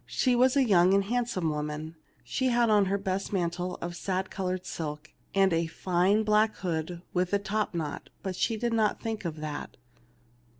She was a young and handsome woman ; she had on her best mantle of sad colored silk, and a fine black hood with a topknot, but she did not think of that.